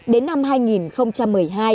đến năm hai nghìn một mươi hai